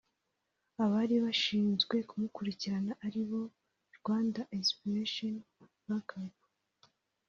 abari bashinzwe kumukurikirana ari bo Rwanda Inspiration Back Up